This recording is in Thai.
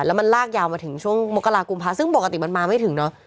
แล้วมันลากยาวมาถึงช่วงมกรากุมภาซึ่งปกติมันมาไม่ถึงเนอะ